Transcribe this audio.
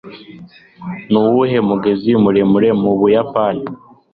nuwuhe mugezi muremure mu buyapani